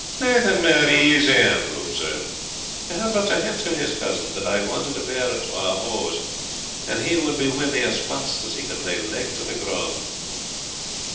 "Naething mair easy," Andrew observed; "he had but to hint to his cousin that I wanted a pair or twa o' hose, and he wad be wi' me as fast as he could lay leg to the grund."